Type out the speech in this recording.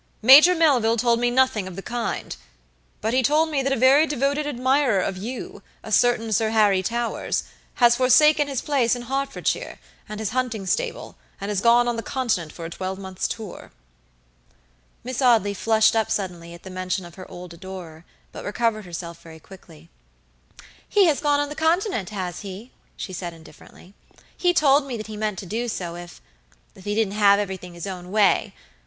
"Major Melville told me nothing of the kind; but he told me that a very devoted admirer of you, a certain Sir Harry Towers, has forsaken his place in Hertfordshire, and his hunting stable, and has gone on the continent for a twelvemonths' tour." Miss Audley flushed up suddenly at the mention of her old adorer, but recovered herself very quickly. "He has gone on the continent, has he?" she said indifferently. "He told me that he meant to do soifif he didn't have everything his own way.